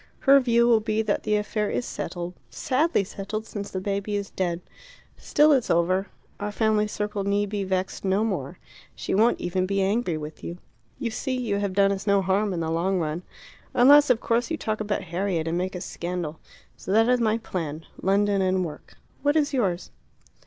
Her view will be that the affair is settled sadly settled since the baby is dead. Still it's over; our family circle need be vexed no more. She won't even be angry with you. You see, you have done us no harm in the long run. Unless, of course, you talk about Harriet and make a scandal. So that is my plan London and work. What is yours?"